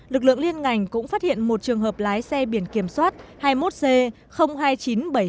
lực lượng liên ngành cũng phát hiện một trường hợp lái xe biển kiểm soát hai mươi một c hai nghìn chín trăm bảy mươi hai